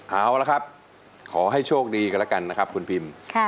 เอาละครับขอให้โชคดีกันแล้วกันนะครับคุณพิม